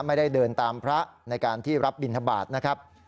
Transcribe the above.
ไม่ได้เดินตามพระในการที่รับบินทบาทนะครับ